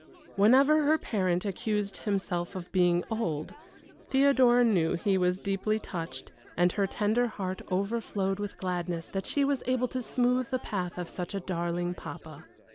Whenever her parent accused himself of being "old," Theodora knew he was deeply touched, and her tender heart overflowed with gladness that she was able to smooth the path of such a darling papa.